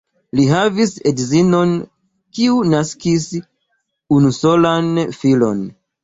Li havis edzinon, kiu naskis unusolan filon.